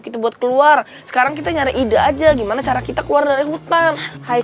kita buat keluar sekarang kita nyari ide aja gimana cara kita keluar dari hutan high